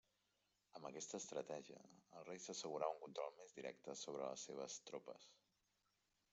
Amb aquesta estratègia, el Rei s'assegurava un control més directe sobre les seves tropes.